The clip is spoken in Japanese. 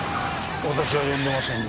私は呼んでませんよ。